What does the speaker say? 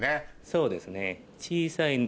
そうですね。